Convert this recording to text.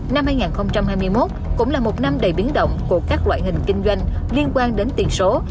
năm hai nghìn hai mươi một cũng là một năm đầy biến động của các loại hình kinh doanh liên quan đến tiền số